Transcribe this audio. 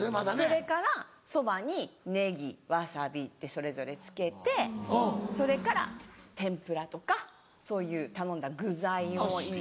それからそばにネギワサビってそれぞれつけてそれから天ぷらとかそういう頼んだ具材を入れて。